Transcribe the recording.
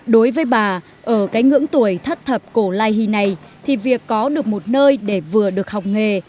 đối với bà ở cái ngưỡng tuổi thắt thập cổ lai hy này thì việc có được một nơi để vừa được học nghề